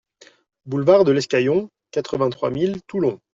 Boulevard de l'Escaillon, quatre-vingt-trois mille Toulon